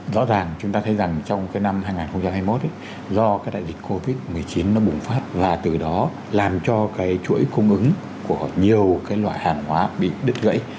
rõ ràng chúng ta thấy rằng trong năm hai nghìn hai mươi một do đại dịch covid một mươi chín bùng phát và từ đó làm cho chuỗi cung ứng của nhiều loại hàng hóa bị đứt gãy